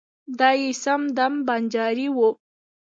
دای یې سم دم بنجارۍ و.